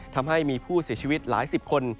ทำให้มีผู้เสียชีวิตหลายสิบคน